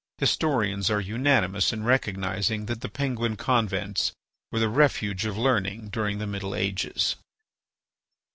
Historians are unanimous in recognising that the Penguin convents were the refuge of learning during the Middle Ages.